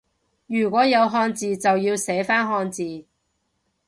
如果有漢字就要寫返漢字